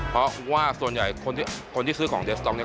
เพราะว่าส่วนใหญ่คนที่ซื้อของเดสต๊อกเนี่ย